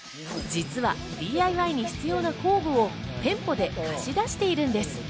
実はＤＩＹに必要な工具を店舗で貸し出しているんです。